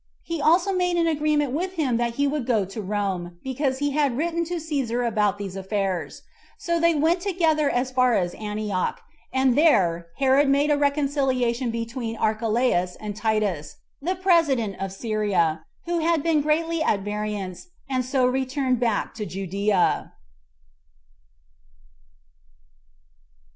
He also made an agreement with him that he would go to Rome, because he had written to Cæsar about these affairs; so they went together as far as Antioch, and there Herod made a reconciliation between Archelaus and Titus, the president of Syria, who had been greatly at variance, and so returned back to Judea.